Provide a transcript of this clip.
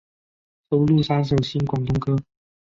收录三首新广东歌。